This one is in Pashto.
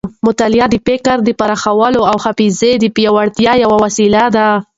مطالعه د فکر د پراخولو او حافظې د پیاوړتیا یوه وسیله ده.